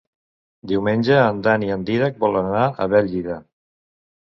Diumenge en Dan i en Dídac volen anar a Bèlgida.